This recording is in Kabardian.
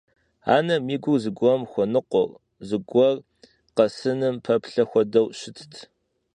Анэм и гур зыгуэрым хуэныкъуэу, зыгуэр къэсыным пэплъэ хуэдэу щытщ.